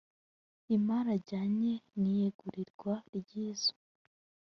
imari ajyanye n’iyegurirwa ry’izo